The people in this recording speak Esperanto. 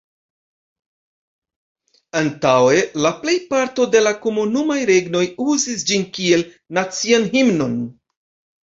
Antaŭe la plejparto de la Komunumaj Regnoj uzis ĝin kiel nacian himnon.